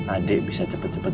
adik bisa cepat cepat